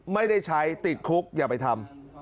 ไม่ได้ใช้ติดคุกอย่าไปทำ